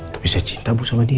tapi saya cinta bu sama dia